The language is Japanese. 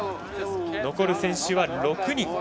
残る選手は６人。